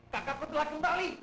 kakakku telah kembali